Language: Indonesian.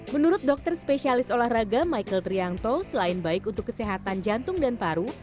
menurut dokter spesialis olahraga michael triangto selain baik untuk kesehatan jantung dan paru